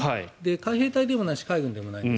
海兵隊でもないし海軍でもないです。